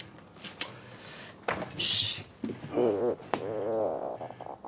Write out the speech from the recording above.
よし。